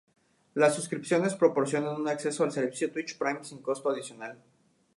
Las suscripciones proporcionan un acceso al servicio Twitch Prime sin coste adicional.